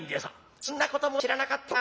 「そんなことも知らなかったのか？